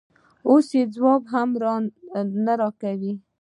اوس ځواب هم نه راکوې؟